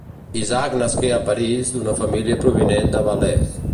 Isaac nasqué a París d'una família provinent de Valais.